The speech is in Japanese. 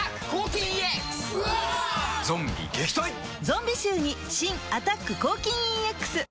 ゾンビ臭に新「アタック抗菌ＥＸ」